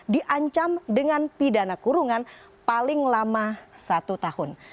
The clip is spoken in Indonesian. diancam dengan pidana kurungan paling lama satu tahun